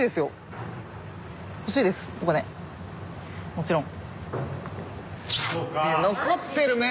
もちろん。